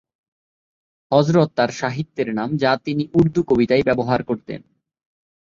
হযরত তার সাহিত্যিক নাম যা তিনি উর্দু কবিতায় ব্যবহার করতেন।